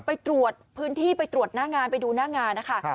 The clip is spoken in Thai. ไปตรวจพื้นที่ไปตรวจหน้างานไปดูหน้างานนะคะ